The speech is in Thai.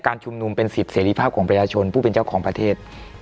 ชุมนุมเป็นสิทธิเสรีภาพของประชาชนผู้เป็นเจ้าของประเทศ